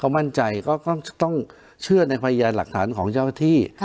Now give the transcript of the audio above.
เขามั่นใจก็ต้องเชื่อในพยายามหลักฐานของเจ้าที่